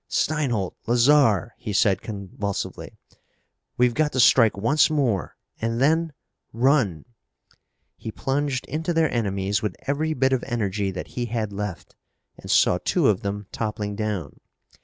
"Steinholt, Lazarre!" he said convulsively. "We've got to strike once more! And then run!" He plunged into their enemies with every bit of energy that he had left, and saw two of them toppling down.